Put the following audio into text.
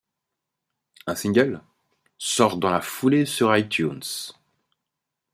Un single, ' sort dans la foulée sur iTunes.